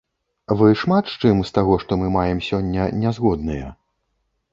Вы шмат з чым з таго, што мы маем сёння, не згодныя?